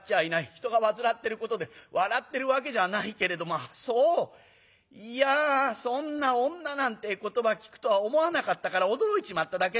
人が煩ってることで笑ってるわけじゃないけれどもそういやそんな『女』なんて言葉聞くとは思わなかったから驚いちまっただけ。